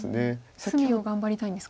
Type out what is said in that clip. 隅を頑張りたいんですか。